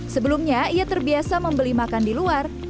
sebelumnya ia terbiasa membeli makan di luar